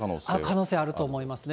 可能性あると思いますね。